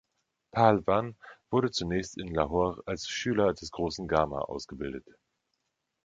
Pahalwan wurde zunächst in Lahore als Schüler des Großen Gama ausgebildet.